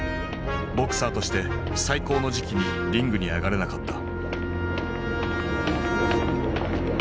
ボクサーとして最高の時期にリングに上がれなかった。